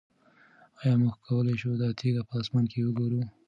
آیا موږ کولی شو دا تیږه په اسمان کې وګورو؟